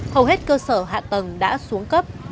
hầu hết cơ sở hạ tầng đã xuống cấp